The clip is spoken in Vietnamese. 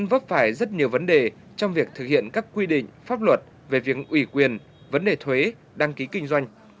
uber đã có rất nhiều vấn đề trong việc thực hiện các quy định pháp luật về việc ủy quyền vấn đề thuế đăng ký kinh doanh